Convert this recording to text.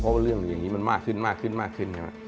เพราะเรื่องอย่างนี้มันมากขึ้นนะ